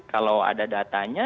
kalau ada datanya